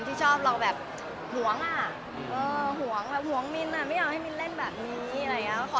ที่ชอบเราแบบหวงอะหวงมินอะไม่อยากให้มินเล่นแบบนี้อะไรอย่างนี้ค่ะ